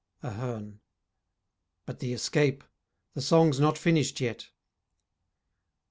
AHERNE But the escape; the song's not finished yet.